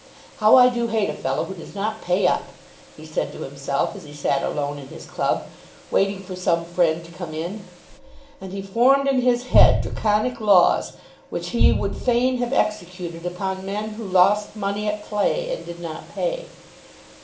"How I do hate a fellow who does not pay up," he said to himself as he sat alone in his club, waiting for some friend to come in. And he formed in his head Draconic laws which he would fain have executed upon men who lost money at play and did not pay.